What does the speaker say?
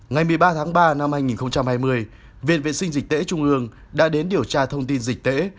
ngày một mươi ba tháng ba năm hai nghìn hai mươi viện vệ sinh dịch tễ trung ương đã đến điều tra thông tin dịch tễ